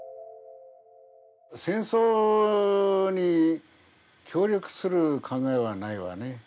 戦争に協力する考えはないわね。